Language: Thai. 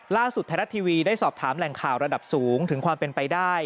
ไทยรัฐทีวีได้สอบถามแหล่งข่าวระดับสูงถึงความเป็นไปได้